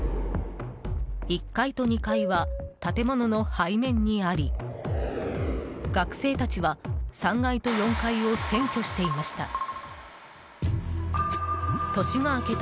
１階と２階は建物の背面にあり学生たちは３階と４階を占拠していました。